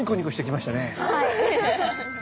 はい。